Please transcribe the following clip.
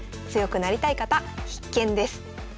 強くなりたい方必見です。